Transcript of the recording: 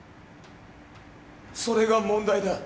それが問題だ